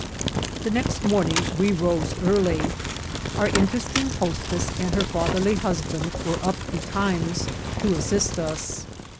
The next morning we rose early. Our interesting hostess and her fatherly husband were up betimes to as sist us.